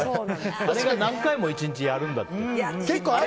あれが何回も１日やるんだって。